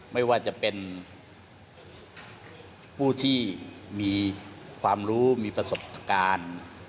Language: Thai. ไม่ว่าจะเป็นผู้ที่มีความรู้มีประสบการณ์